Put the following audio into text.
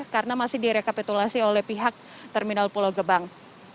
karena masih direkapitulasi oleh pihak terminal pulau gebang